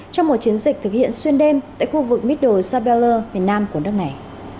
trong một chiến dịch thực hiện xuyên đêm tại khu vực middle sabella miền nam của đất này